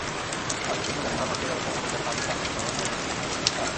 আদালত সূত্র জানায়, হল-মাকের্র ব্যবস্থাপনা পরিচালক তানভীরসহ নয়জন আসামি বর্তমানে কারাগারে।